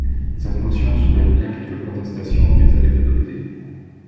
Cette motion soulève bien quelques protestations, mais elle est adoptée.